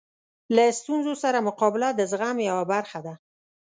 له ستونزو سره مقابله د زغم یوه برخه ده.